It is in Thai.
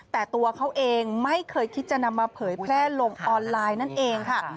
แต่ตัวเขาเองไม่เคยคิดจะนำมาเผยแพร่ลงออนไลน์นั่นเองค่ะ